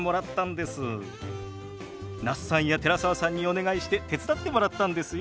那須さんや寺澤さんにお願いして手伝ってもらったんですよ。